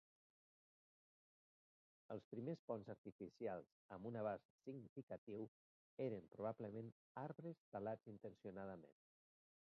Els primers ponts artificials amb un abast significatiu eren probablement arbres talats intencionadament.